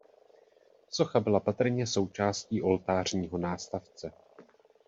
Socha byla patrně součástí oltářního nástavce.